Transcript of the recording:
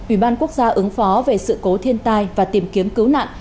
ủy ban quốc gia ứng phó về sự cố thiên tai và tìm kiếm cứu nạn